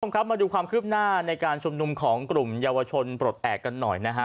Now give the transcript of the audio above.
คุณผู้ชมครับมาดูความคืบหน้าในการชุมนุมของกลุ่มเยาวชนปลดแอบกันหน่อยนะฮะ